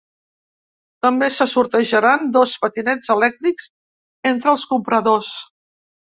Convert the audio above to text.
També se sortejaran dos patinets elèctrics entre els compradors.